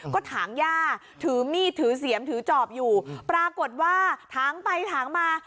ก็ถางย่าถือมีดถือเสียมถือจอบอยู่ปรากฏว่าถางไปถางมา